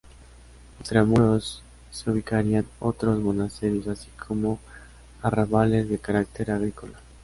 Extramuros se ubicarían otros monasterios así como arrabales de carácter agrícola.